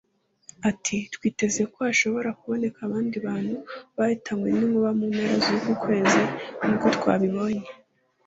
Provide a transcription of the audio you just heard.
Ati "Twiteze ko hashobora kuboneka abandi bantu bahitanwa n’inkuba mu mpera z’uku kwezi nk’uko twabibonye